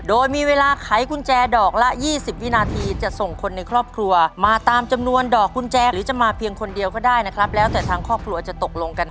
โดยมีเวลาไขกุญแจดอกละ๒๐วินาทีจะส่งคนในครอบครัวมาตามจำนวนดอกกุญแจหรือจะมาเพียงคนเดียวก็ได้นะครับแล้วแต่ทางครอบครัวจะตกลงกัน